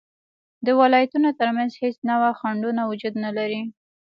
د ولایتونو تر منځ هیڅ نوعه خنډونه وجود نلري